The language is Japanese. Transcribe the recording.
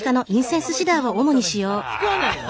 使わないの？